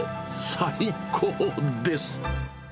最高です。